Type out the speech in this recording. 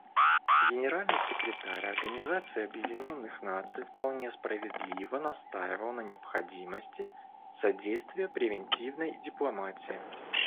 Генеральный секретарь Организации Объединенных Наций вполне справедливо настаивал на необходимости содействия превентивной дипломатии.